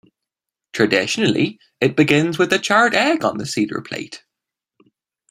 Traditionally it begins with the charred egg on the Seder plate.